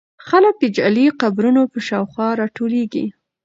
خلک د جعلي قبرونو په شاوخوا راټولېږي.